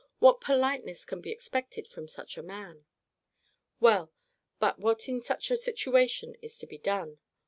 What politeness can be expected from such a man? Well, but what in such a situation is to be done?